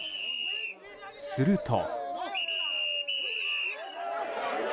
すると。